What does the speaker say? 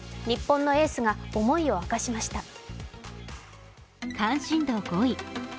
日本のエースが思いを明かしました。